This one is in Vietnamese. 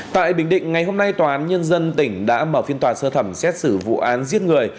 tại bình định ngày hôm nay tòa án nhân dân tỉnh đã mở phiên tòa sơ thẩm xét xử vụ án giết người